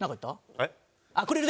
えっ？